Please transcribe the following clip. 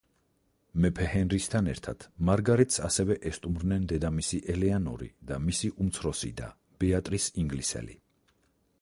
მეფე ჰენრისთან ერთად, მარგარეტს ასევე ესტუმრნენ დედამისი ელეანორი და მისი უმცროსი და, ბეატრის ინგლისელი.